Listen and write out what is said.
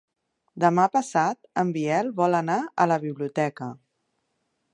Demà passat en Biel vol anar a la biblioteca.